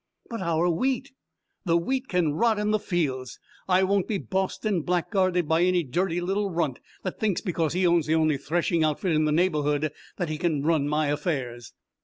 "But our wheat!" "The wheat can rot in the fields! I won't be bossed and blackguarded by any dirty little runt that thinks because he owns the only threshing outfit in the neighbourhood that he can run my affairs."